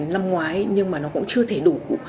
năm ngoái nhưng mà nó cũng chưa thể đủ